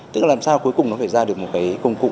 tức là làm sao cuối cùng nó phải ra được một cái công cụ